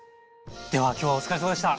では今日はお疲れさまでした。